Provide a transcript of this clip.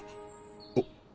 あっ。